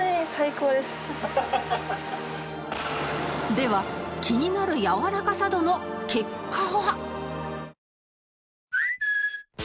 では気になるやわらかさ度の結果は